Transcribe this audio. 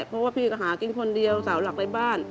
เพราะว่าพี่ก็หากินคนเดียวเสาหลักในบ้าน